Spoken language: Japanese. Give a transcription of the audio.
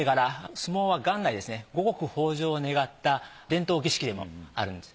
相撲は元来五穀豊穣を願った伝統儀式でもあるんです。